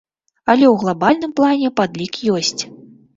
Але ў глабальным плане падлік ёсць.